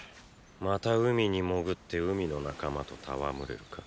また海に潜って海の仲間と戯れるか？